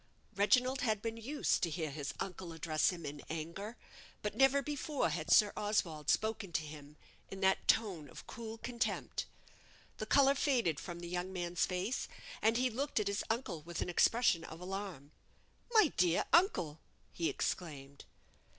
Reginald had been used to hear his uncle address him in anger; but never before had Sir Oswald spoken to him in that tone of cool contempt. The colour faded from the young man's face, and he looked at his uncle with an expression of alarm. "My dear uncle!" he exclaimed.